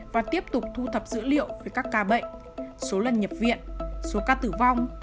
và tiếp tục thu thập dữ liệu về các ca bệnh số lần nhập viện số ca tử vong